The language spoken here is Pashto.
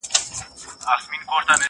کاڼی د غره دی کله انسان دی.